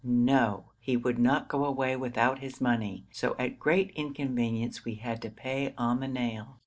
No! he would not go away without his money; so at great inconvenience we had to pay on the nail.